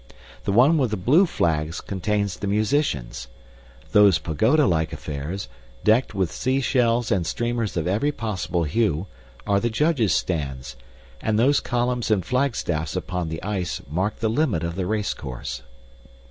The one with the blue flags contains the musicians. Those pagodalike affairs, decked with seashells and streamers of every possible hue, are the judges' stands, and those columns and flagstaffs upon the ice mark the limit of the race course.